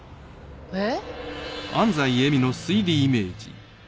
えっ？